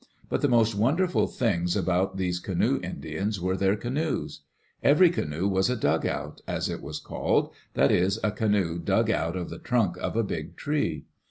But the most wonderful things about these canoe Indians were their canoes. Every canoe was a dugout, as it was called — that is, a canoe dug out of the trunk of a big tree.